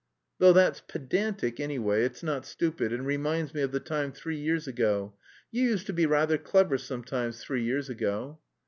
"Though that's pedantic, anyway, it's not stupid, and reminds me of the time three years ago; you used to be rather clever sometimes three years ago."